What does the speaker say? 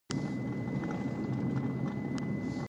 هغه خپله کورنۍ وليده.